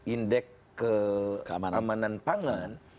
indeks keamanan pangan